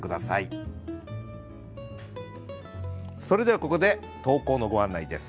それではここで投稿のご案内です。